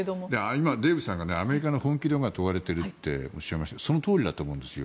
今、デーブさんがアメリカの本気度が問われているとおっしゃいましたけどそのとおりだと思うんです。